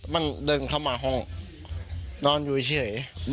มันเดินเข้ามาห้องนอนอยู่เฉย